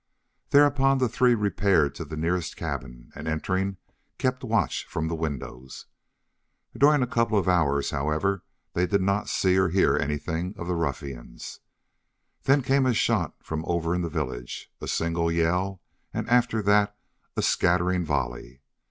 Thereupon the three repaired to the nearest cabin, and, entering, kept watch from the windows. During a couple of hours, however, they did not see or hear anything of the ruffians. Then came a shot from over in the village, a single yell, and, after that, a scattering volley.